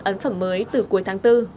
ấn phẩm mới từ cuối tháng bốn